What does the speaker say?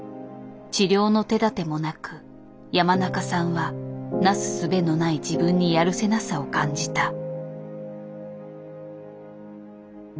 治療の手だてもなく山中さんはなすすべのない自分にやるせなさを感じた。